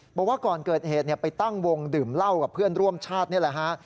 บอกว่าก่อนเกิดเหตุไปตั้งวงดื่มเหล้ากับเพื่อนร่วมชาตินี่แหละฮะ